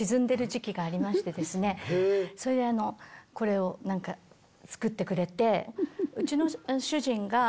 それでこれを作ってくれて。